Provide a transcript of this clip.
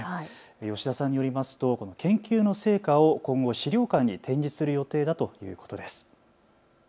吉田さんによりますとこの研究の成果を今後、資料館に展示する予定だということです。